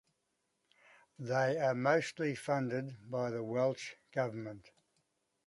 They are mostly funded by the Welsh government.